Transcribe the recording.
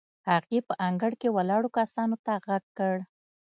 هغې په انګړ کې ولاړو کسانو ته غږ کړ.